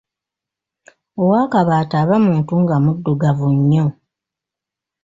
Owakabaata aba muntu nga muddugavu nnyo.